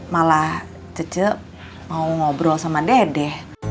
malah cece mau ngobrol sama dede